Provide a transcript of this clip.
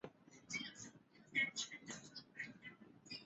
蔡衍明也是台湾中天电视的拥有人。